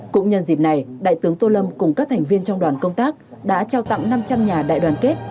cũng nhân dịp này đại tướng tô lâm cùng các thành viên trong đoàn công tác đã trao tặng năm trăm linh nhà đại đoàn kết